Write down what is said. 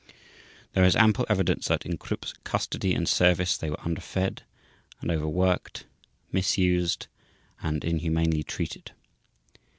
There is ample evidence that in Krupp's custody and service they were underfed and overworked, misused, and inhumanly treated.